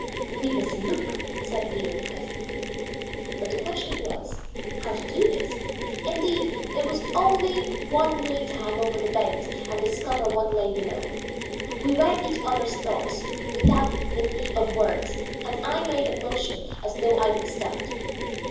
"We must look," said Leo presently. But the question was, how to do this. Indeed, there was only one way, to hang over the bend and discover what lay below. We read each other's thought without the need of words, and I made a motion as though I would start.